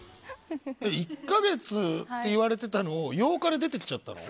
１か月って言われてたのを８日で出てきちゃったの？